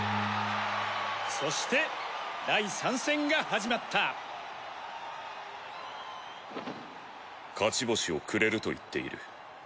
そして第三戦が始まった勝ち星をくれると言っている。